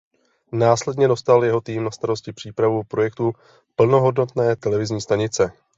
Následně dostal jeho tým na starosti přípravu projektu plnohodnotné televizní stanice.